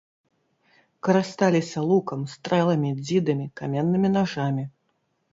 Карысталіся лукам, стрэламі, дзідамі, каменнымі нажамі.